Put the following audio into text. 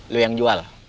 lo yang jual